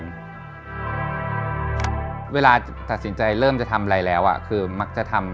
แล้วเราต้องทำงานโปรเจคที่มันไม่ใช่เรา